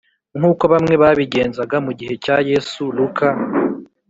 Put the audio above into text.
Nk uko bamwe babigenzaga mu gihe cya yesu luka